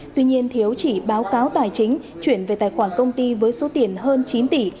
tuy nhiên thiếu chỉ báo cáo tài chính chuyển về tài khoản công ty với số tiền hơn chín tỷ